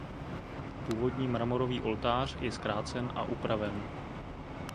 Původní mramorový oltář je zkrácen a upraven.